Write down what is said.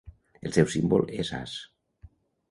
El seu símbol és as.